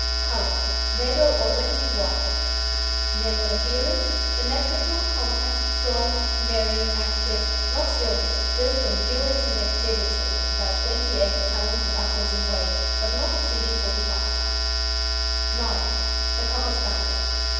COLOUR Red or orange and white. GENERAL APPEARANCE Symmetrical, compact, strong, merry, active, not stilty, built for endurance and activity, and about 28 lb. and upwards in weight, but not exceeding 45 lb. IX. THE COCKER SPANIEL.